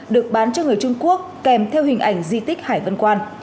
được bán cho người trung quốc kèm theo hình ảnh di tích hải vân quan